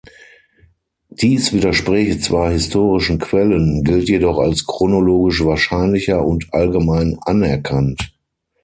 Dies widerspräche zwar historischen Quellen, gilt jedoch als chronologisch wahrscheinlicher und allgemein anerkannt.